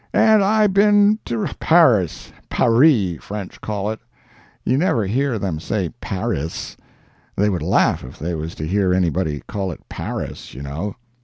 And I been to Paris—Parree, French call it—you never hear them say Parriss—they would laugh if they was to hear any body call it Parriss, you know.